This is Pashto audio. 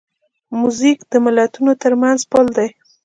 موزیک د ملتونو ترمنځ پل دی.